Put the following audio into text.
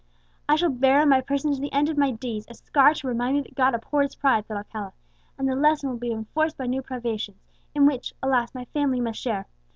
"I shall bear on my person to the end of my days a scar to remind me that God abhors pride," thought Alcala; "and the lesson will be enforced by new privations, in which, alas! my family must share.